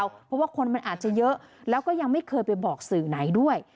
เพราะว่าคนมันอาจจะเยอะแล้วก็ยังไม่เคยไปบอกสื่อไหนด้วย